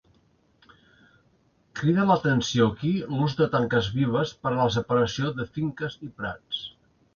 Crida l'atenció aquí l'ús de tanques vives per a la separació de finques i prats.